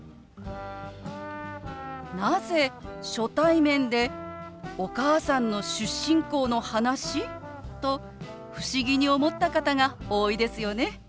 「なぜ初対面でお母さんの出身校の話？」と不思議に思った方が多いですよね。